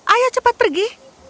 ayah cepat pergi